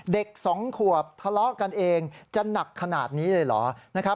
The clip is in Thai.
เด็ก๒ขวบทะเลาะกันเองจะหนักขนาดนี้เลยเหรอนะครับ